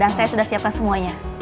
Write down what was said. dan saya sudah siapkan semuanya